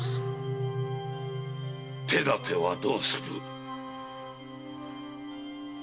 手だてはどうする？